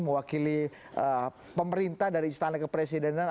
mewakili pemerintah dari istana kepresidenan